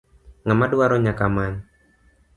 Ng'ama dwaro nyaka many.